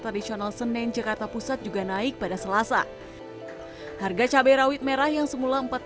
tradisional senen jakarta pusat juga naik pada selasa harga cabai rawit merah yang semula